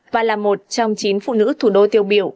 và là một trong chín phụ nữ thủ đô tiêu biểu